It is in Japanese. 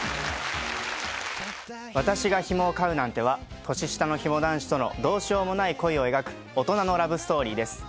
「私がヒモを飼うなんて」は年下のヒモ男子とのどうしようもない恋を描く大人のラブストーリーです